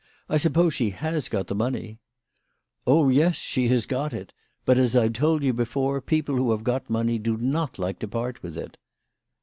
I suppose she has got the money/' " Oh, yes ; she has got it ; but, as I've told you before, people who have got money do not like to part with it."